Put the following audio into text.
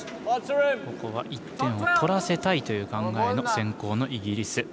１点を取らせたいという考えの先攻のイギリス。